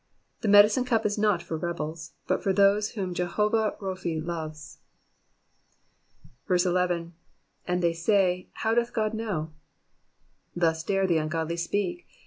The medicine cup is not for rebels, but for those whom Jehovah Kophi lovo6. 11. ^^And they say. Bow doth God knowV Thus dare the ungodly speak.